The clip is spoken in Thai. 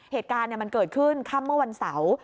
เหตุการณ์มันเกิดขึ้นค่ำเมื่อวันเสาร์